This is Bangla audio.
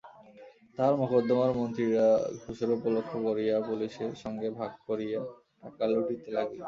তাঁহার মকদ্দমার মন্ত্রীরা ঘুষের উপলক্ষ করিয়া পুলিসের সঙ্গে ভাগ করিয়া টাকা লুটিতে লাগিল।